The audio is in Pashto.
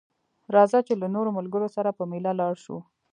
راځه چې له نورو ملګرو سره په ميله لاړ شو